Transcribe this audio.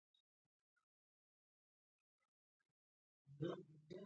دلته د شپې تېرولو لپاره کوم هوټل یا میلمستون شته؟